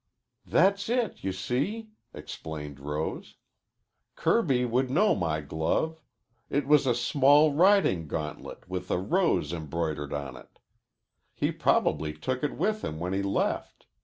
"That's it, you see," explained Rose. "Kirby would know my glove. It was a small riding gauntlet with a rose embroidered on it. He probably took it with him when he left.